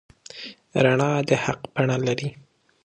رڼا د حق بڼه لري.